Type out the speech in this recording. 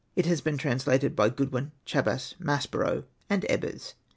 It has been translated by Goodwin, Chabas, Maspero, and Ebers.